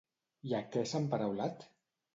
I a què s'ha emparaulat?